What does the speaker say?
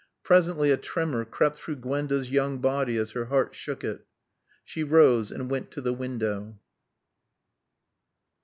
Presently a tremor crept through Gwenda's young body as her heart shook it. She rose and went to the window.